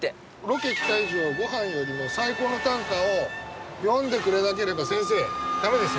ロケ来た以上ごはんよりも最高の短歌を詠んでくれなければ先生駄目ですよね？